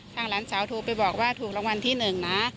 หลานสาวโทรไปบอกว่าถูกรางวัลที่๑นะ